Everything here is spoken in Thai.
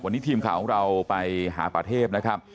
วันนี้ทีมข่าวของเราไปหาป่าเทพนะครับ